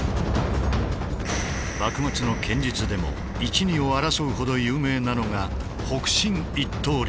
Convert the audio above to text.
幕末の剣術でも一二を争うほど有名なのが「北辰一刀流」。